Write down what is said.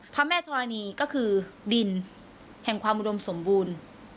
พระแม่ธรณีก็คือดินแห่งความอุดมสมบูรณ์